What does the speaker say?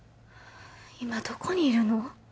今どこにいるの？